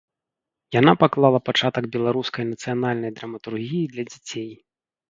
Яна паклала пачатак беларускай нацыянальнай драматургіі для дзяцей.